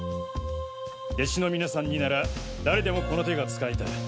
弟子の皆さんになら誰でもこの手が使えた。